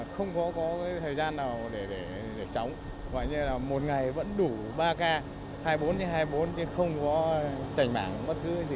không có vấn đề thì khó khăn lắm